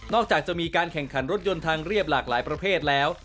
จากจะมีการแข่งขันรถยนต์ทางเรียบหลากหลายประเภทแล้ว